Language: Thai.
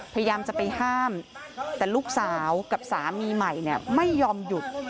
พยายามจะไปห้ามแต่ลูกสาวกับสามีใหม่เนี่ยไม่ยอมหยุด